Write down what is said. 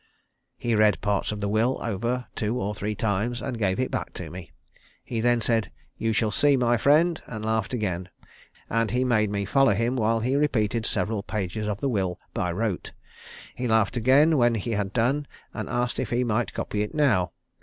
He read parts of the will over two or three times and gave it back to me. He then said, 'You shall see, my friend,' and laughed again, and he made me follow him while he repeated several pages of the will by rote. He laughed again when he had done, and asked if he might copy it now.